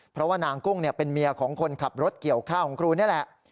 เพราะว่านางกุ้งเป็นเมียของคนขับรถเกี่ยวข้าวของครูนี่แหละ